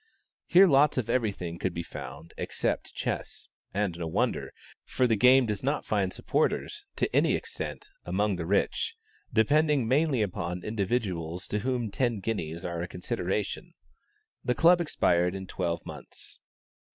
Here lots of every thing could be found except chess, and no wonder, for the game does not find supporters, to any extent, among the rich, depending mainly upon individuals to whom ten guineas are a consideration. The club expired in twelve months.